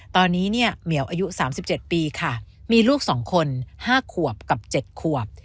ตอนนี้เนี่ยเหมียวอายุสามสิบเจ็ดปีค่ะมีลูกสองคนห้าขวบกับเจ็ดขวบ